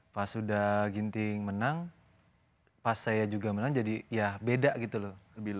pas udah ginting menang pas saya juga menang jadi ya beda gitu loh